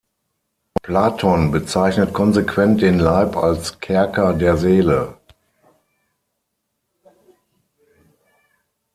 Platon bezeichnet konsequent den Leib als "„Kerker“" der Seele.